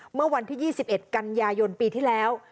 เมื่อวันที่๒๑กันยายนปีที่แล้ว